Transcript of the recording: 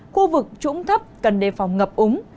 khu vực trũng thấp cần đề phòng ngập úng